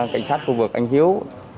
cảnh sát khu vực anh hiếu